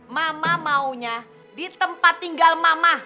mama maunya di tempat tinggal mama